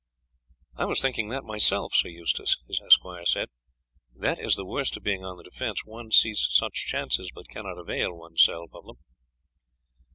"I was thinking that myself, Sir Eustace," his esquire said. "That is the worst of being on the defence; one sees such chances but cannot avail one's self of them."